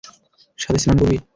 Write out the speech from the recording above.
সাথে স্নান করবি?